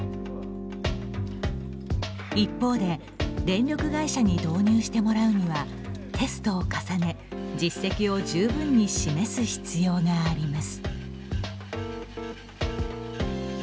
一方で、電力会社に導入してもらうにはテスト重ね実績を十分に示す必要があります。